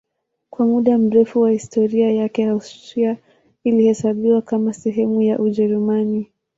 Kwa muda mrefu wa historia yake Austria ilihesabiwa kama sehemu ya Ujerumani.